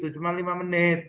cuman lima menit